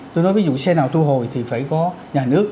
tôi nói ví dụ xe nào thu hồi thì phải có nhà nước